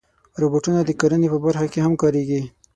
روبوټونه د کرنې په برخه کې هم کارېږي.